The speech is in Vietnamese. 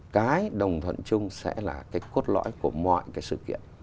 cái đồng thuận chung sẽ là cái cốt lõi của mọi cái sự kiện